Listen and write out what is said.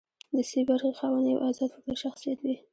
د سي برخې خاوند یو ازاد فکره شخصیت وي.